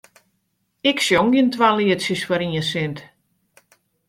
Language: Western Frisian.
Ik sjong gjin twa lietsjes foar ien sint.